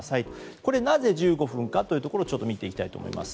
これ、なぜ１５分かというところを見ていきたいと思います。